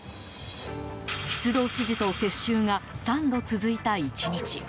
出動指示と撤収が３度続いた１日。